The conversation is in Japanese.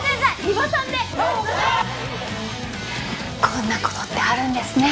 こんな事ってあるんですね。